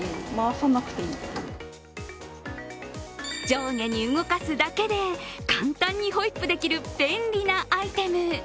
上下に動かすだけで簡単にホイップできる便利なアイテム。